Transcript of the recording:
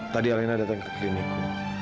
tadi alena datang ke kliniku